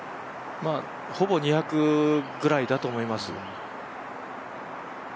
ほぼ２００くらいだと思います。